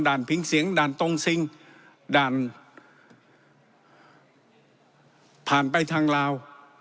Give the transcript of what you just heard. พิงเสียงด่านตรงซิงด่านผ่านไปทางลาว